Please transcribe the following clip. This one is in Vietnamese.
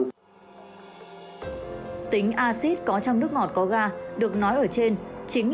tính acid có trong nước ngọt có ga được nói ở trên